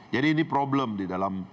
jadi ini problem di dalam